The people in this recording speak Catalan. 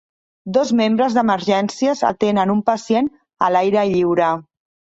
Dos membres d'emergències atenen un pacient a l'aire lliure.